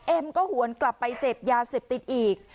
เอ็มก็หวนกลับไปเสพยาเสพติดอีก